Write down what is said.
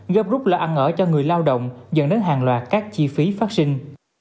gấp rút là ăn ở cho người lao động dẫn đến hàng loạt các chi phí phát sinh